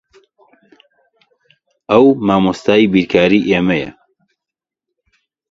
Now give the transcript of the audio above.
ئەو مامۆستای بیرکاریی ئێمەیە.